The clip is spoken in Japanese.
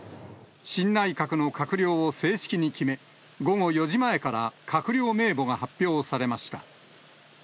新内閣の閣僚を正式に決め、午後４時前から閣僚名簿が発表されました。